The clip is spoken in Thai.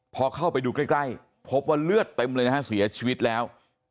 พอเข้าไปดูใกล้พบว่าเลือดเต็มเลยนะฮะเสียชีวิตแล้ว